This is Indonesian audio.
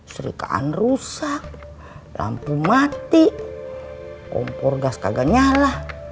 serikaan rusak lampu mati kompor gas kagak nyala